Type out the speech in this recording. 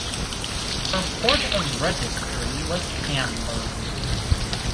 Her port of registry was Hamburg.